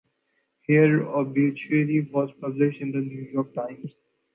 Her obituary was published in the New York Times.